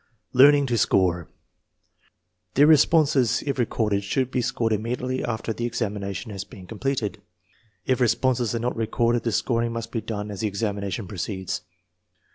Learning to score. The responses, if recorded, should be scored immediately after the examination has been completed. If responses are not recorded, the scoring must be done as the examination proceeds.